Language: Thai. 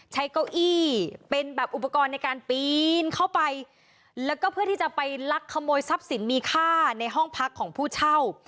เก้าอี้เป็นแบบอุปกรณ์ในการปีนเข้าไปแล้วก็เพื่อที่จะไปลักขโมยทรัพย์สินมีค่าในห้องพักของผู้เช่า